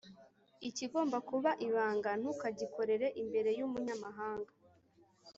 Ikigomba kuba ibanga ntukagikorere imbere y’umunyamahanga,